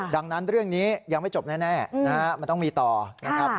ดังนั้นเรื่องนี้ยังไม่จบแน่นะฮะมันต้องมีต่อนะครับ